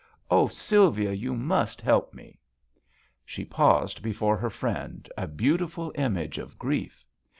Sylvia, you must help me.*' She paused before her friend, a beautiful image of grief.